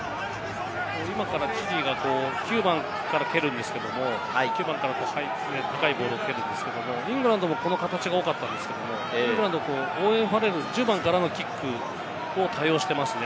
今からチリが９番から蹴るんですけれども、高いボールを蹴るんですけど、イングランドも、この形が多かったんですけれども、イングランド、オーウェン・ファレル、１０番からのキックを多用していますね。